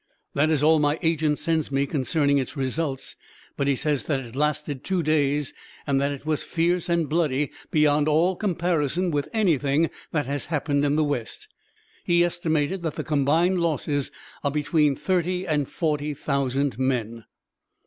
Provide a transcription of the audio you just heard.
"That is all my agent sends me concerning its results, but he says that it lasted two days, and that it was fierce and bloody beyond all comparison with anything that has happened in the West. He estimated that the combined losses are between thirty and forty thousand men."